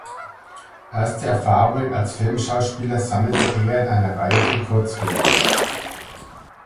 Erste Erfahrungen als Filmschauspieler sammelte er in einer Reihe von Kurzfilmen.